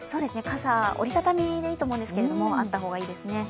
折り畳みでいいんですけれども、傘があった方がいいですね。